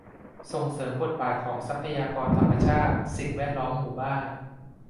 ส่งเสริมบทบาทของทรัพยากรธรรมชาติ สิ่งแวดล้อม หมู่บ้าน